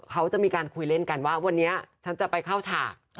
เขาจะมีการคุยเล่นกันว่าวันนี้ฉันจะไปเข้าฉาก